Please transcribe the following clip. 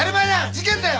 事件だよ